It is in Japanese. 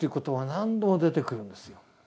何度も出てくるんですよ。